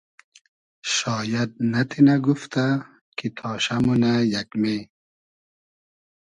شاید نئتینۂ گوفتۂ کی تاشۂ مونۂ یئگمې